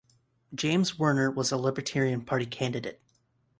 James Werner was the Libertarian Party candidate.